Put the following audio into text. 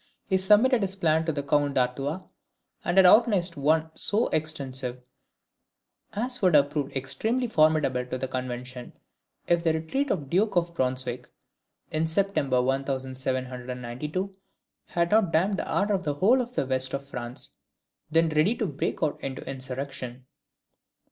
He submitted his plan to the Count d'Artois, and had organized one so extensive, as would have proved extremely formidable to the Convention, if the retreat of the Duke of Brunswick, in September 1792, had not damped the ardour of the whole of the west of France, then ready to break out into insurrection."